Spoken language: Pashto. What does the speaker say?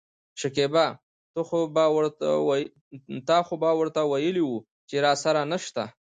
شکيبا : تا خو به ورته وويلي وو چې راسره نشته.